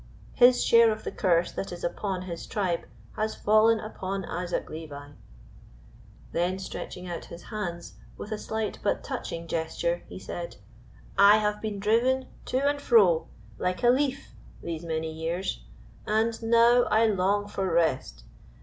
His share of the curse that is upon his tribe has fallen upon Isaac Levi." Then, stretching out his hands with a slight but touching gesture, he said, "I have been driven to and fro like a leaf these many years, and now I long for rest.